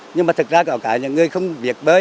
nhưng mà thực ra có cả những người không biết bơi